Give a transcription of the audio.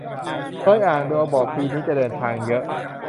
เคยอ่านดวง บอกปีนี้จะเดินทางเยอะ